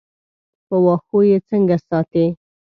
په واښو یې څنګه ساتې.